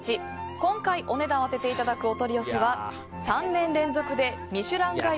今回お値段を当てていただくお取り寄せは３年連続で「ミシュランガイド」